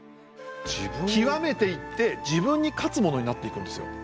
極めていって自分に勝つものになっていくんですよ。